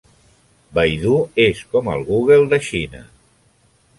Baidu és com el Google de Xina.